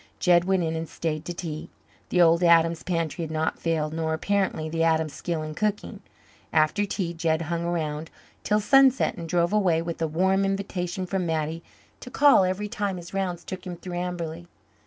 Jed went in and stayed to tea. The old Adams pantry had not failed, nor apparently the Adams skill in cooking. After tea Jed hung around till sunset and drove away with a warm invitation from Mattie to call every time his rounds took him through Amberley.